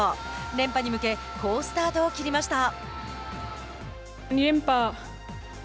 連覇に向け好スタートを切りました。